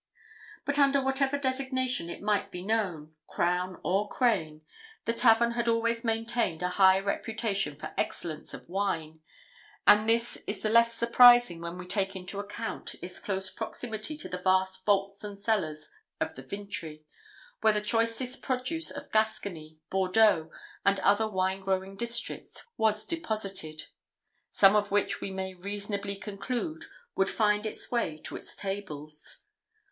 But under whatever designation it might be known Crown or Crane the tavern had always maintained a high reputation for excellence of wine: and this is the less surprising when we take into account its close proximity to the vast vaults and cellars of the Vintry, where the choicest produce of Gascony, Bordeaux, and other wine growing districts, was deposited; some of which we may reasonably conclude would find its way to its tables.